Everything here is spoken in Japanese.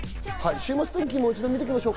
週末の天気をもう一度見ていきましょう。